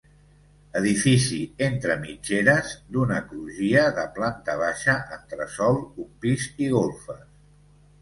Edifici entre mitgeres d'una crugia, de planta baixa, entresòl, un pis i golfes.